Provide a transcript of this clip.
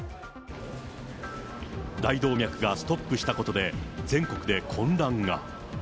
大動脈がストップしたことで全国で混乱が。